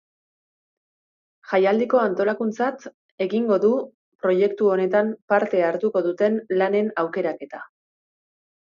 Jaialdiko antolakuntzat egingo du proiektu honetan parte hartuko duten lanen aukeraketa.